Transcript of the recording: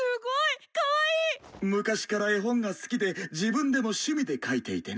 昔から絵本が好きで自分でも趣味でかいていてね。